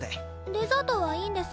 デザートはいいんですか？